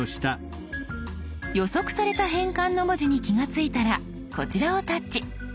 予測された変換の文字に気が付いたらこちらをタッチ。